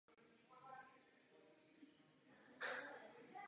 Semena mohou být rozšiřována i vodou.